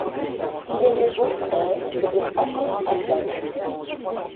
Il est le beau-frère de Ahmed Abdallah.